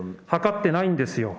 諮ってないんですよ。